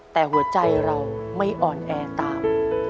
แต่หัวใจเราไม่อ่อนแอตาม